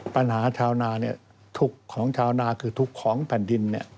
ปัญหาชาวนาทุกข์ของชาวนาคือทุกข์ของแผ่นดิน